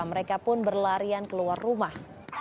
mereka pun berlarian keluar rumah